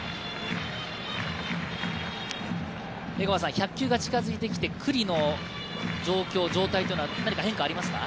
１００球が近づいてきて九里の状況、状態に変化はありますか？